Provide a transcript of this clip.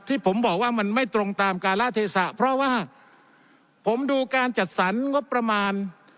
ที่ผมบอกว่ามันไม่ตรงตามการละเทศะเพราะว่าผมดูการจัดสรรงบประมาณ